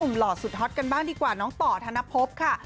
หล่อสุดฮอตกันบ้างดีกว่าน้องต่อธนภพค่ะ